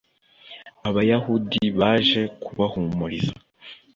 Abayahudi baje kubahumuriza